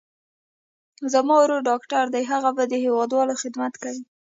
زما ورور ډاکټر دي، هغه به د هېوادوالو خدمت کوي.